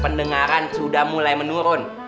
pendengaran sudah mulai menurun